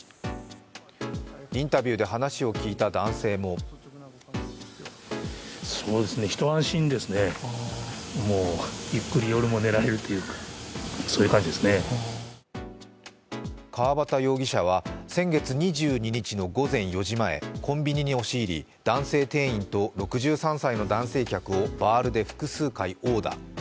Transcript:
インタビューで話を聞いた男性も川端容疑者は先月２２日の午前４時前コンビニに押し入り、男性店員と６３歳の男性客をバールで複数回、殴打。